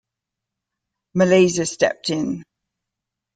Malaysia stepped in.